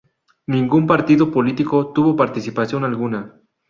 Ningún partido político tuvo participación alguna.